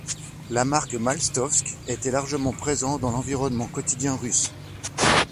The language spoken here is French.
La marque Maltsovsk était largement présent dans l'environnement quotidien russe.